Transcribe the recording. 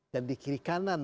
dan di kiri kanan ya